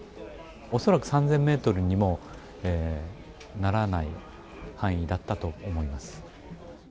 恐らく３０００メートルにもならない範囲だったと思います。